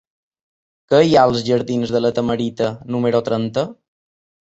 Què hi ha als jardins de La Tamarita número trenta?